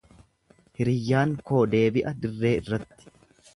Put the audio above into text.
Hiriyyaan koo deebi'a dirree irratti.